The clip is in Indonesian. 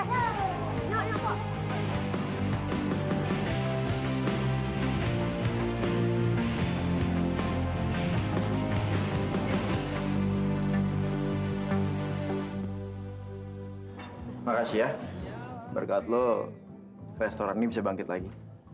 terima kasih ya berkat lo restoran ini bisa bangkit lagi